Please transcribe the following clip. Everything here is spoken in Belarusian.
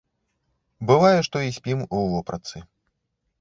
Бывае, што і спім у вопратцы.